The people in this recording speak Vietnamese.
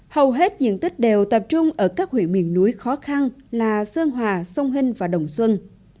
hầu hết diện tích đều tập trung ở các huyện miền núi khó khăn là sơn hòa sông hinh và đồng xuân